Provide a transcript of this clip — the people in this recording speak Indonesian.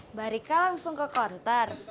mbak rika langsung ke counter